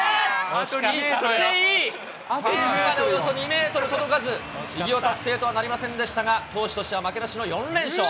フェンスまでおよそ２メートル届かず、偉業達成とはなりませんでしたが、投手としては負けなしの４連勝。